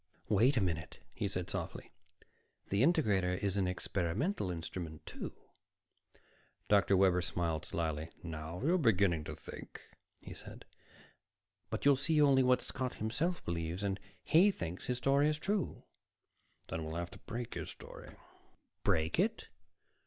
"Wait a minute," he said softly. "The integrator is an experimental instrument, too." Dr. Webber smiled slyly. "Now you're beginning to think," he said. "But you'll see only what Scott himself believes. And he thinks his story is true." "Then we'll have to break his story." "Break it?"